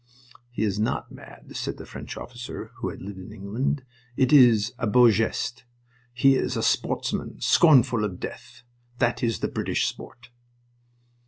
"He is not mad," said a French officer who had lived in England. "It is a beau geste. He is a sportsman scornful of death. That is the British sport."